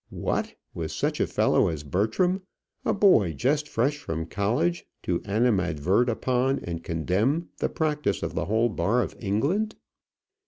What! was such a fellow as Bertram, a boy just fresh from college, to animadvert upon and condemn the practice of the whole bar of England?